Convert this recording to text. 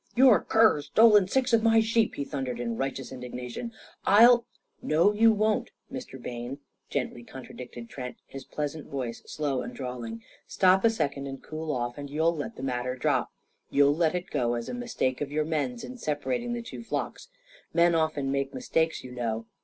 "Your cur's stolen six of my sheep!" he thundered in righteous indignation. "I'll " "No, you won't, Mr. Bayne," gently contradicted Trent, his pleasant voice slow and drawling. "Stop a second and cool off, and you'll let the matter drop. You'll let it go as a mistake of your men's in separating the two flocks. Men often make mistakes, you know.